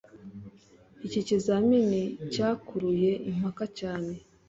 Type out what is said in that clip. Iki kizamini cyakuruye impaka cyane,